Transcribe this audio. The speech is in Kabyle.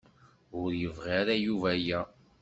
Ur yebɣi ara Yuba aya.